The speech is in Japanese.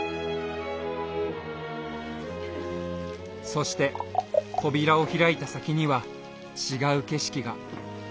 そして扉を開いた先には違う景色が。